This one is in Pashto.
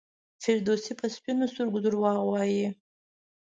فردوسي په سپینو سترګو دروغ وایي.